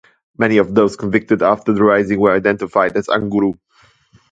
Many of those convicted after the rising were identified as "Anguru".